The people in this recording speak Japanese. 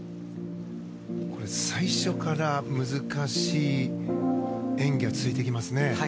最初から難しい演技が続いていきますね。